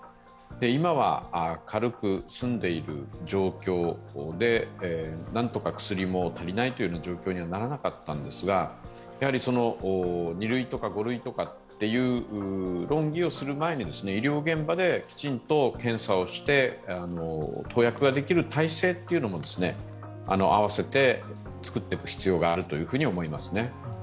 今は軽く済んでいる状況でなんとか薬も足りないという状況にはならなかったんですが２類とか５類とかっていう論議をする前に医療現場できちんと検査をして投薬ができる体制というのも合わせて作っていく必要があると思いますね。